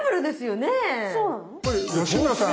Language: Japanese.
これ吉村さん